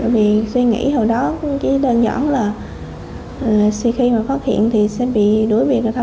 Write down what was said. vì suy nghĩ hồi đó chỉ đơn giản là suy khi mà phát hiện thì sẽ bị đối biệt